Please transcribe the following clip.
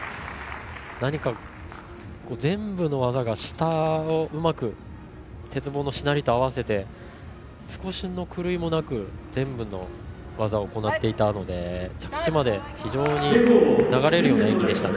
何か全部の技が鉄棒のしなりと合わせて少しの狂いもなく全部の技を行っていたので着地まで非常に流れるような演技でした。